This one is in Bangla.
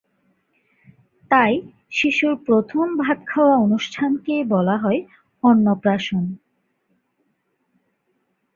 তাই শিশুর প্রথম ভাত খাওয়া অনুষ্ঠানকেই বলা হয় অন্নপ্রাশন।